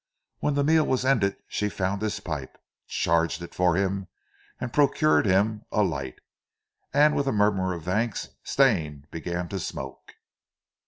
When the meal was ended, she found his pipe, charged it for him, and procured him a light, and with a murmur of thanks, Stane began to smoke.